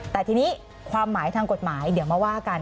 แต่ทีนี้ความหมายทางกฎหมายเดี๋ยวมาว่ากัน